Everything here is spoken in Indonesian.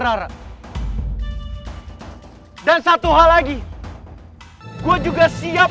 lu malah bilang keren sih